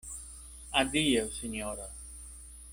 Adiaŭ, sinjoro.